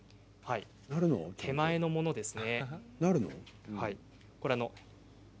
手前のものですね。